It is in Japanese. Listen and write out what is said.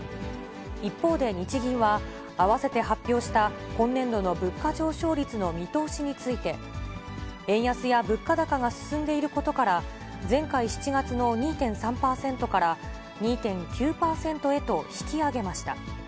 一方で日銀は、あわせて発表した今年度の物価上昇率の見通しについて、円安や物価高が進んでいることから、前回・７月の２．３％から２．９％へと引き上げました。